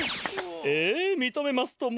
ええみとめますとも。